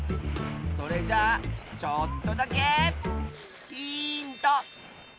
それじゃあちょっとだけヒント！